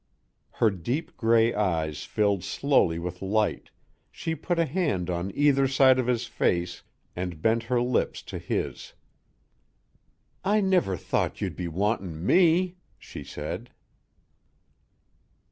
Her deep gray eyes filled slowly with light, she put a hand on either side of his face and bent her lips to his. "I never thought you'd be wantin' me," she said.